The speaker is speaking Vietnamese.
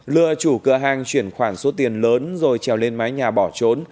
lừa chủ cửa hàng chuyển khoản số tiền lớn rồi trèo lên mái nhà bỏ trốn